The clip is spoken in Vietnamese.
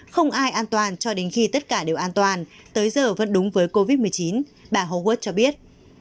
không ai an toàn cho đến khi tất cả đều an toàn tới giờ vẫn đúng với covid một mươi chín bà huad cho biết